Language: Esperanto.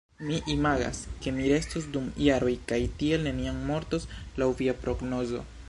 Mi imagas, ke mi restos dum jaroj kaj tiel neniam mortos laŭ via prognozo.